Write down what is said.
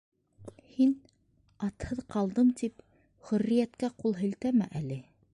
Һин, атһыҙ ҡалдым тип, хөрриәткә ҡул һелтәмә әле.